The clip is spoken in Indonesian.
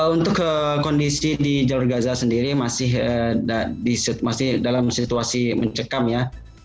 untuk kondisi di jalur gaza sendiri masih dalam situasi mencekam ya